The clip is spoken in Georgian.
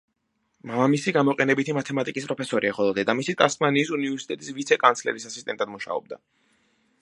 მამამისი გამოყენებითი მათემატიკის პროფესორია, ხოლო დედამისი ტასმანიის უნივერსიტეტის ვიცე-კანცლერის ასისტენტად მუშაობდა.